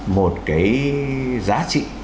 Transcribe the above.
một cái giá trị